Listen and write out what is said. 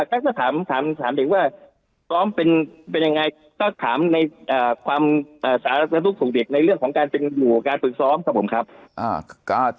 ซ้อมเป็นเป็นยังไงถ้ามในความสะอาดสนุกสุขเด็กในเรื่องของการเป็นหนุ่งหมู่ของการปรึกซ้อมครับผมครับ